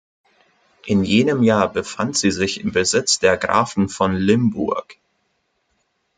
In jenem Jahr befand sie sich im Besitz der Grafen von Limburg.